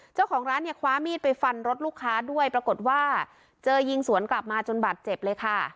เจ้าของร้านเนี่ยคว้ามีดไปฟันรถลูกค้าด้วยปรากฏว่าเจอยิงสวนกลับมาจนบาดเจ็บเลยค่ะ